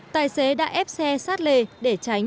tài xế đã ép xe sát lề để tránh